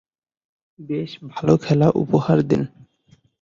বেশ ভালো খেলা উপহার দেন।